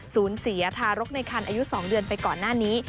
เสียทารกในคันอายุ๒เดือนไปก่อนหน้านี้